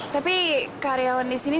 tapi karyawan di sini